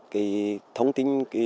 cái thông tin